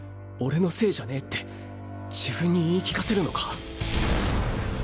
俺のせいじゃねぇ」って自分に言い聞かせるのか？